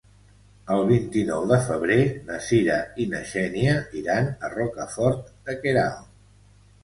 El vint-i-nou de febrer na Cira i na Xènia iran a Rocafort de Queralt.